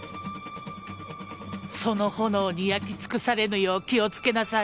その炎に焼き尽くされぬよう気を付けなさい。